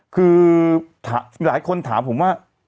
คือหลายคนถามผมว่า